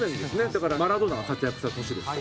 だからマラドーナが活躍した年です。